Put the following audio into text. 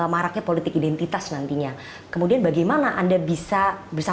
maraknya politik identitas nantinya kemudian bagaimana anda memilih jalan politik yang berbeda